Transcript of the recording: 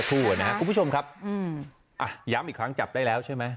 คุณผู้ชมครับอย้ำอีกครั้งจับได้แล้วใช่มั้ย